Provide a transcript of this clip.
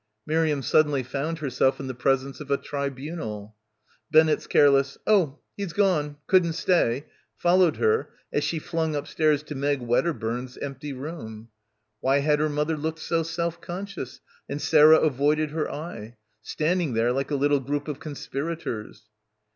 Miriam suddenly found herself in the presence of a tribunal. Bennett's careless "Oh, he's gone; couldn't stay/' followed her as she flung upstairs to Meg Wedderburn's empty room. Why had her mother looked so self conscious and Sarah avoided her eye ... standing there like a little group of conspirators?